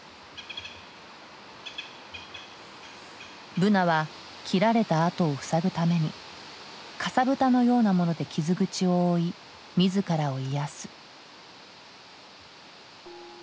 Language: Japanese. ブナは切られた跡を塞ぐためにかさぶたのようなもので傷口を覆い自らを癒やす。